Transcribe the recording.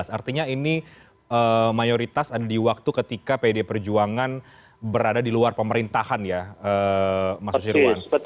artinya ini mayoritas ada di waktu ketika pdi perjuangan berada di luar pemerintahan ya mas susirwan